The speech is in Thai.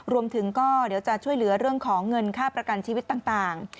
รวมถึงก็เดี๋ยวจะช่วยเหลือเรื่องของเงินค่าประกันชีวิตต่าง